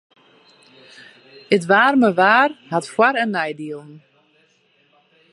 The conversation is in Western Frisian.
It waarme waar hat foar- en neidielen.